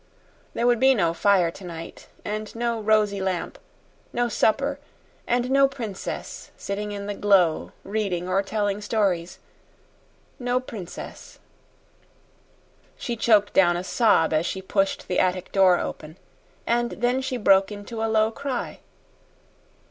There would be no fire tonight, and no rosy lamp; no supper, and no princess sitting in the glow reading or telling stories no princess! She choked down a sob as she pushed the attic door open, and then she broke into a low cry.